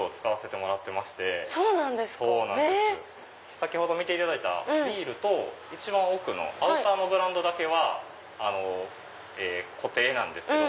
先ほど見ていただいたウィールと一番奥のアウターのブランドは固定なんですけど。